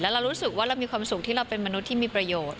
เรารู้สึกว่าเรามีความสุขที่เราเป็นมนุษย์ที่มีประโยชน์